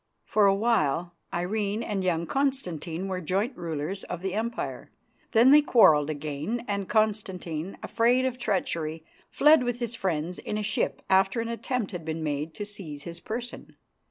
For a while Irene and young Constantine were joint rulers of the Empire. Then they quarrelled again, and Constantine, afraid of treachery, fled with his friends in a ship after an attempt had been made to seize his person.